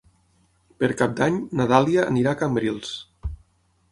Per Cap d'Any na Dàlia anirà a Cambrils.